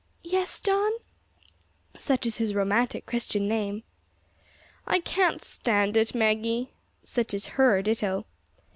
"Yes, John?" (Such is his romantic Christian name!) "I can't stand it, Maggie." (Such is her ditto!)